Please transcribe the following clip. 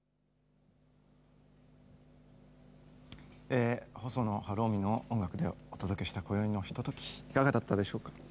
え細野晴臣の音楽でお届けしたこよいのひとときいかがだったでしょうか。